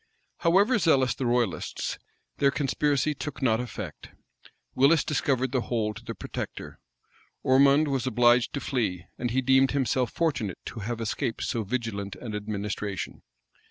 However zealous the royalists, their conspiracy took not effect: Willis discovered the whole to the protector. Ormond was obliged to fly, and he deemed himself fortunate to have escaped so vigilant an administration.